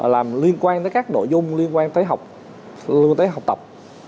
làm liên quan tới các nội dung liên quan tới học tập